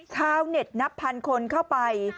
ชาวเน็ตนับพันคนเข้าไป